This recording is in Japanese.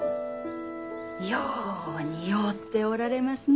よう似合うておられますね。